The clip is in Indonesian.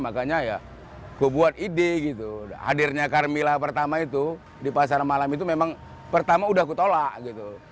makanya ya kubuat ide gitu hadirnya carmilla pertama itu di pasar malam itu memang pertama udah kutolak gitu